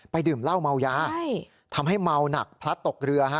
ดื่มเหล้าเมายาทำให้เมาหนักพลัดตกเรือฮะ